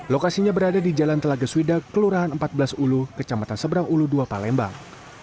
lokasinya berada di jalan telaga swida kelurahan empat belas ulu kecamatan seberang ulu dua palembang